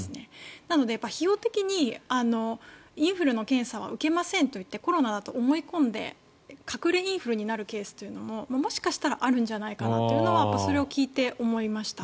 なので、費用的にインフルの検査は受けませんと言ってコロナだと思い込んで隠れインフルになるケースももしかしたらあるんじゃないかなというのはそれを聞いて思いました。